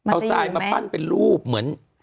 เอาทรายมาปั้นเป็นรูปเหมือน